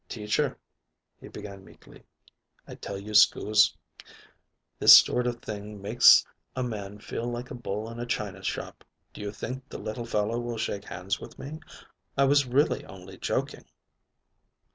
"Teacher," he began meekly, "I tells you 'scuse. This sort of thing makes a man feel like a bull in a china shop. Do you think the little fellow will shake hands with me? I was really only joking."